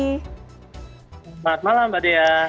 selamat malam mbak dea